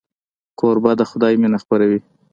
کوربه د خدای مینه خپروي.